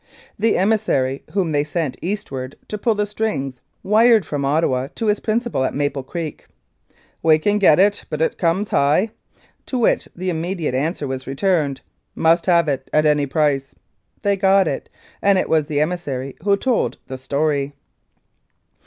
The emissary whom they sent eastward to pull the strings wired from Ottawa to his principal at Maple Creek : "We can get it, but it comes high," to which the im mediate answer was returned, "Must have it at any price." They got it, and it was the emissary who told the story.